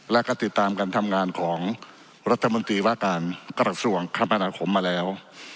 และก็ติดตามการทำงานของรัฐมนตรีว่าการกระทรวงคมนาคมมาแล้ว